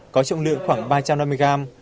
có trọng lượng khoảng ba trăm năm mươi gram